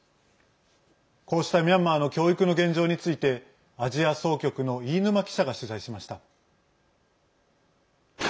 こうしたミャンマーの教育の現状についてアジア総局の飯沼記者が取材しました。